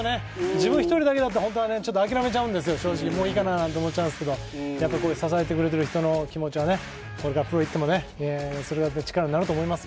自分１人だけだと本当は諦めちゃうんです、もういいかななんて思っちゃうんですけどこうやって支えてくれてる人の気持ちがこれからプロいってもそれだけ力になると思います。